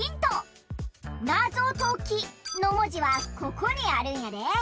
「ナゾトキ」のもじはここにあるんやで！